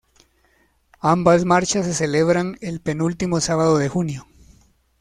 Ambas marchas se celebran el penúltimo sábado de junio.